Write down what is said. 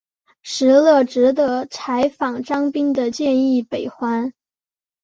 石勒只得采纳张宾的建议北还。